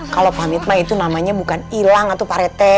kalau pamit mah itu namanya bukan ilang atau parete